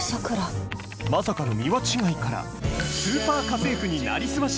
まさかのミワ違いから、スーパー家政婦に成り済まし。